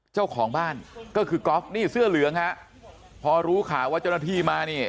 เจ้าของบ้านก็คือกอล์ฟนี่เสื้อเหลืองฮะพอรู้ข่าวว่าเจ้าหน้าที่มานี่